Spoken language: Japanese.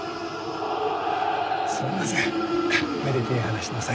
すみませんめでてえ話の最中に。